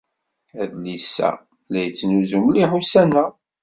Adlis-a la yettnuzu mliḥ ussan-a.